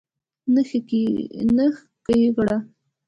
نه ښېګړه